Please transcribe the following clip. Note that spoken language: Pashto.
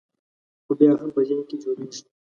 خو بیا هم په ذهن کې جوړېږي.